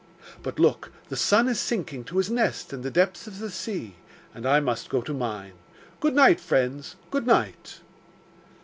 But, look, the sun is sinking to his nest in the depths of the sea, and I must go to mine. Good night, friends, good night!